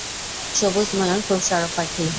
সবুজ ময়ূর খুব সরব পাখি।